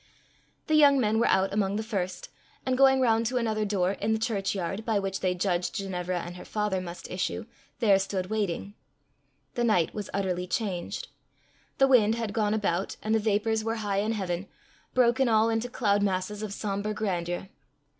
The young men were out among the first, and going round to another door, in the church yard, by which they judged Ginevra and her father must issue, there stood waiting. The night was utterly changed. The wind had gone about, and the vapours were high in heaven, broken all into cloud masses of sombre grandeur.